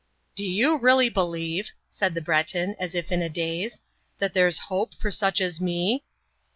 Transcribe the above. "Do you really believe," said the Breton, as if in a daze, "that there's hope for such as me?"